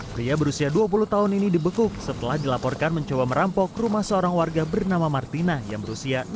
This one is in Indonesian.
pria berusia dua puluh tahun ini dibekuk setelah dilaporkan mencoba merampok rumah seorang warga bernama martina yang berusia enam tahun